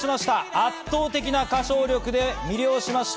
圧倒的な歌唱力で魅了しました。